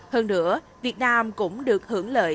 hơn nữa việt nam cũng được hưởng lợi